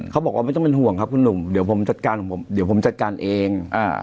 เขาบอกว่าไม่ต้องเป็นห่วงครับคุณหนุ่มเดี๋ยวผมจัดการเอง